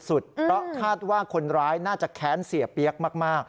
เพราะคาดว่าคนร้ายน่าจะแค้นเสียเปี๊ยกมาก